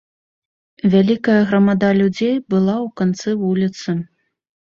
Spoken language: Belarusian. Вялікая грамада людзей была ў канцы вуліцы.